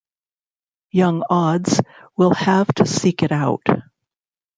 Young auds will have to seek it out.